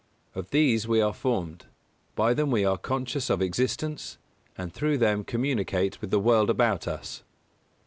Of these we are formed; by them we are conscious of existence; and through them communicate with the world about us.